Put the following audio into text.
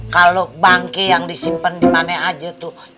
kalau bangke yang disimpen dimana aja tuh